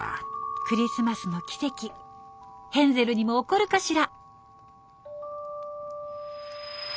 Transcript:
クリスマスの奇跡ヘンゼルにも起こるかしら。